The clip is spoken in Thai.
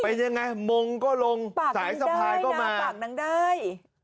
เป็นยังไงมงก็ลงปากสายสะพายก็มาปากนั้นได้